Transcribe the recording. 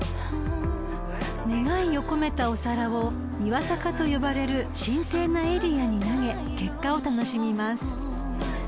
［願いを込めたお皿を磐境と呼ばれる神聖なエリアに投げ結果を楽しみます］